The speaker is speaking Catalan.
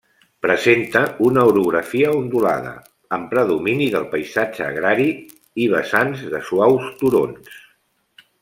Presenta una orografia ondulada, amb predomini del paisatge agrari i vessants de suaus turons.